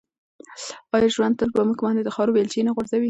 آیا ژوند تل په موږ باندې د خاورو بیلچې نه غورځوي؟